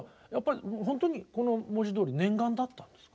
ほんとにこの文字どおり念願だったんですか？